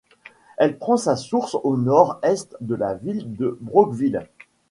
Elle prend sa source au nord-est de la ville de Brockville.